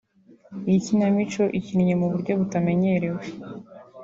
Iyi kinamico ikinnye mu buryo butamenyerewe